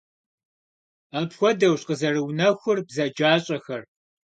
Апхуэдэущ къызэрыунэхур бзаджащӀэхэр.